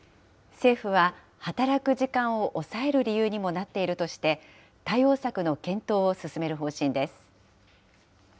政府は働く時間を抑える理由にもなっているとして、対応策の検討を進める方針です。